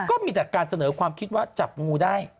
ก็มีแต่การเสนอความคิดว่าจับงูได้